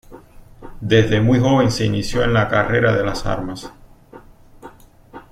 Desde muy joven se inició en la carrera de las armas.